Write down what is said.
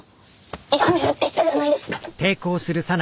やめるって言ったじゃないですか！